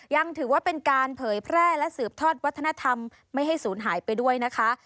ยังถือว่าเป็นการเผยแพร่และสืบทอดวัฒนธรรมไม่ให้ศูนย์หายไปด้วยนะคะ